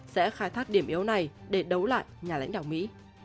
sẽ khai thác điểm yếu này để đấu lại nhà lãnh đạo mỹ